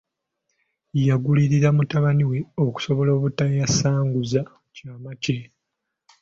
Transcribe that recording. Yagulirira mutabani we okusobola obutayasanguza kyama kye.